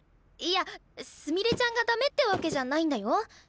いやすみれちゃんがダメってわけじゃないんだよ？